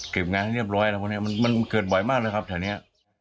เก็บงานให้เรียบร้อยมันเกิดบ่อยมากเลยครับแถวนี้